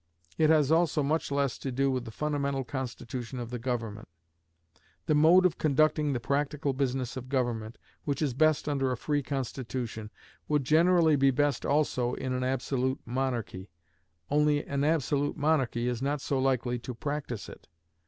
It has also much less to do with the fundamental constitution of the government. The mode of conducting the practical business of government, which is best under a free constitution, would generally be best also in an absolute monarchy, only an absolute monarchy is not so likely to practice it.